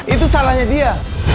itu salahnya dia